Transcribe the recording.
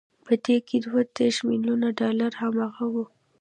په دې کې دوه دېرش ميليونه ډالر هماغه وو.